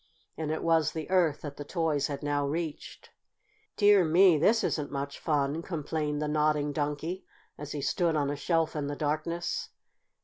And it was the Earth that the toys had now reached. "Dear me, this isn't much fun!" complained the Nodding Donkey, as he stood on a shelf in the darkness.